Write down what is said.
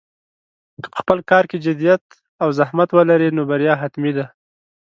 که په خپل کار کې جدیت او زحمت ولرې، نو بریا حتمي ده.